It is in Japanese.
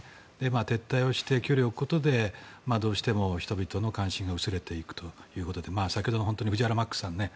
撤退して距離を置くことでどうしても人々の関心が薄れていくということで先ほどの藤原ＭＡＸさん